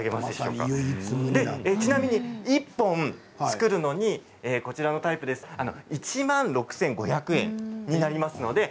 ちなみに１本作るのにこちらのタイプですと１万６５００円になります。